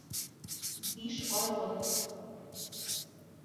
Биш айлыҡ.